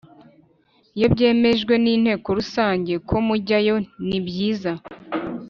Iyo byemejwe n Inteko Rusange ko mujyayo nibyiza